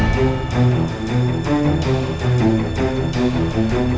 bisa makanya aja sekarang